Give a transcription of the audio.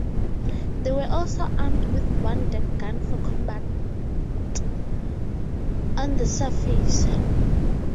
They were also armed with one deck gun for combat on the surface.